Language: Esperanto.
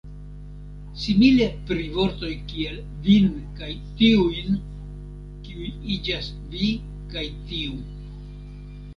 Simile pri vortoj kiel "vin" kaj "tiujn", kiuj iĝas "vi" kaj "tiu".